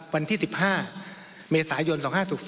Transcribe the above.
วันที่๑๕เมษายน๒๕๖๒